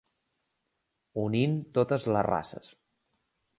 Unint totes les races.